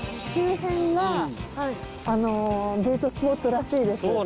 周辺がデートスポットらしいです。